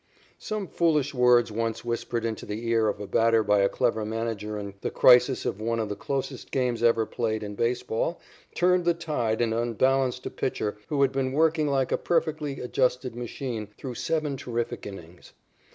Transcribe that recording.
Some foolish words once whispered into the ear of a batter by a clever manager in the crisis of one of the closest games ever played in baseball turned the tide and unbalanced a pitcher who had been working like a perfectly adjusted machine through seven terrific innings.